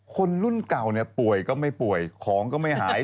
คนรุ่นเก่าเนี่ยป่วยก็ไม่ป่วยของก็ไม่หาย